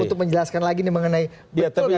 untuk menjelaskan lagi mengenai betul gak sih ini